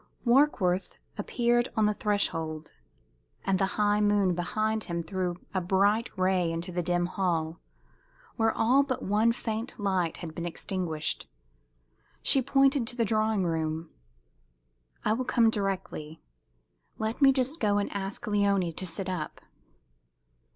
Warkworth appeared on the threshold, and the high moon behind him threw a bright ray into the dim hall, where all but one faint light had been extinguished. She pointed to the drawing room. "I will come directly. Let me just go and ask Léonie to sit up."